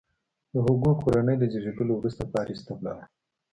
د هوګو کورنۍ له زیږېدلو وروسته پاریس ته ولاړه.